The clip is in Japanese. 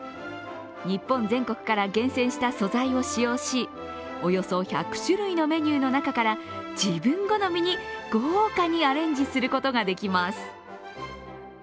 日本全国から厳選した素材を使用しおよそ１００種類のメニューの中から自分好みに豪華にアレンジすることができます。